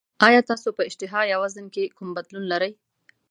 ایا تاسو په اشتها یا وزن کې کوم بدلون لرئ؟